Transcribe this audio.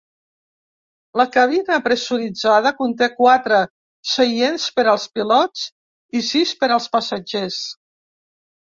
La cabina pressuritzada conté quatre seients per als pilots i sis per als passatgers.